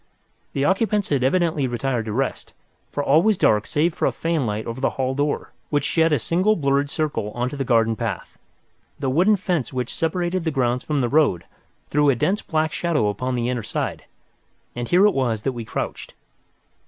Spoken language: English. The occupants had evidently retired to rest, for all was dark save for a fanlight over the hall door, which shed a single blurred circle on to the garden path. The wooden fence which separated the grounds from the road threw a dense black shadow upon the inner side, and here it was that we crouched.